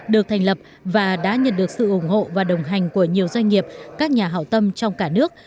được thành lập và đã nhận được sự ủng hộ và đồng hành của nhiều doanh nghiệp các nhà hảo tâm trong cả nước